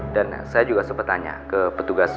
dan saya juga sempat tanya ke petugas